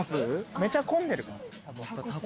めちゃ混んでるの？